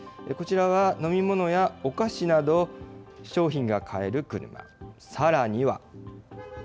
こちらは飲み物やお菓子などの商品が買える車。